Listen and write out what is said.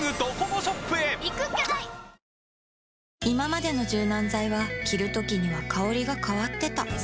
いままでの柔軟剤は着るときには香りが変わってた